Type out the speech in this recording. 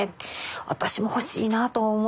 私も欲しいなと思って。